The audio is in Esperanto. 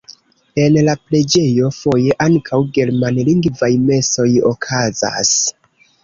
En la preĝejo foje ankaŭ germanlingvaj mesoj okazas.